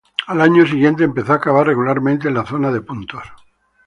Al año siguiente empezó a acabar regularmente en la zona de puntos.